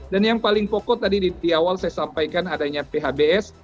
dan yang paling pokok tadi di awal saya sampaikan adanya phbs